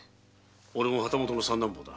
俺も旗本の三男坊だ。